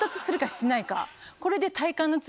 これで。